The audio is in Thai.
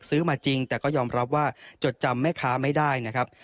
มาจริงแต่ก็ยอมรับว่าจดจำแม่ค้าไม่ได้นะครับ